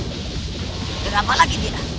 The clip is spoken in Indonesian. kenapa lagi dia